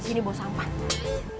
disini bawa sampah